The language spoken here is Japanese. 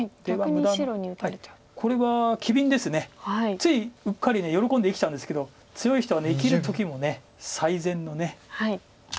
ついうっかり喜んで生きちゃうんですけど強い人は生きる時も最善のね。